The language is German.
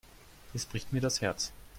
Es bricht mir das Herz.